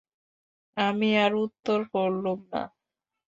আমি আর উত্তর করলুম না।